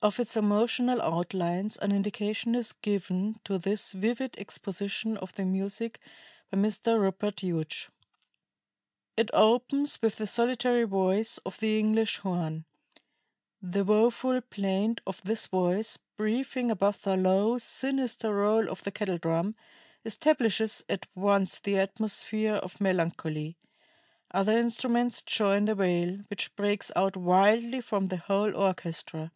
Of its emotional outlines an indication is given in this vivid exposition of the music by Mr. Rupert Hughes: "It opens with the solitary voice of the English horn.... The woful plaint of this voice, breathing above a low, sinister roll of the kettle drum, establishes at once the atmosphere of melancholy. Other instruments join the wail, which breaks out wildly from the whole orchestra.